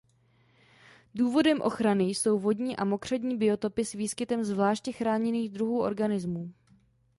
Důvodem ochrany jsou vodní a mokřadní biotopy s výskytem zvláště chráněných druhů organizmů.